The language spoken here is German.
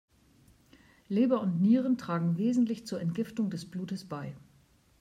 Leber und Nieren tragen wesentlich zur Entgiftung des Blutes bei.